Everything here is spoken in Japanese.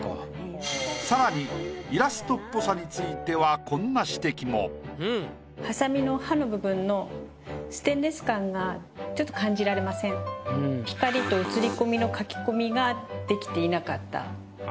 更にイラストっぽさについては光と写り込みの描き込みができていなかった。